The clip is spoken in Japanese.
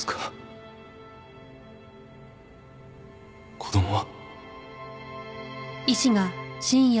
子供は？